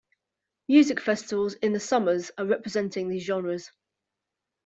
Music festivals in the Summers are representing these genres.